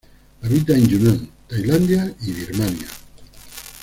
Habita en Yunnan, Tailandia y Birmania.